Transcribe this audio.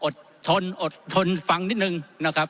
ทนอดทนฟังนิดนึงนะครับ